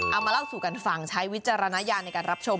เอามาเล่าสู่กันฟังใช้วิจารณญาณในการรับชม